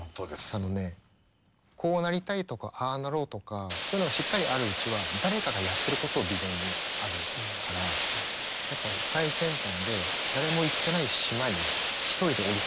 あのねこうなりたいとかああなろうとかそういうのがしっかりあるうちは誰かがやってることをビジョンにあるからやっぱ最先端で誰も行ってない島に一人で降り立っている。